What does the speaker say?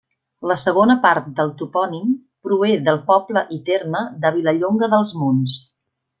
La segona part del topònim prové del poble i terme de Vilallonga dels Monts.